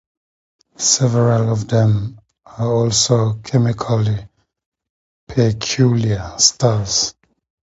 Several of them are also chemically peculiar stars.